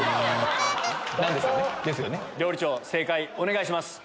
料理長正解お願いします。